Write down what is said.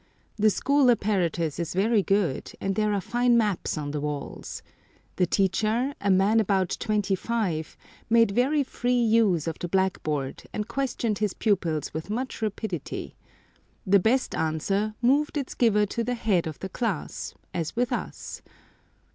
The school apparatus is very good, and there are fine maps on the walls. The teacher, a man about twenty five, made very free use of the black board, and questioned his pupils with much rapidity. The best answer moved its giver to the head of the class, as with us.